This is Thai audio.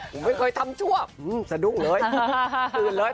ผมไม่เคยทำชั่วสะดุ้งเลย